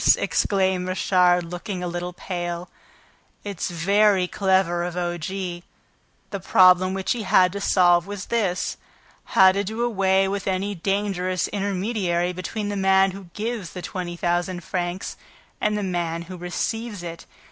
exclaimed Richard, looking a little pale. "It's very clever of O. G. The problem which he had to solve was this: how to do away with any dangerous intermediary between the man who gives the twenty thousand francs and the man who receives it.